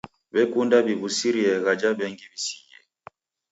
W'ekunda w'iw'usirie ghaja w'engi w'isighie.